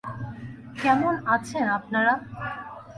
কেমন আছেন আপনারা?